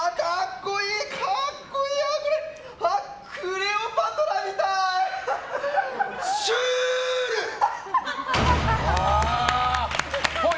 クレオパトラみたい！